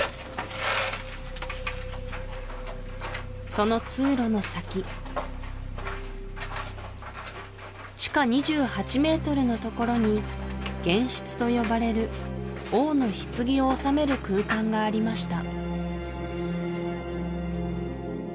その通路の先地下２８ｍのところに玄室と呼ばれる王の棺を納める空間がありました